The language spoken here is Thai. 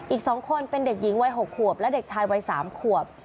อีก๒คนเป็นเด็กหญิงวัย๖ขวบและเด็กชายวัย๓ขวบ